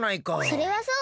それはそう！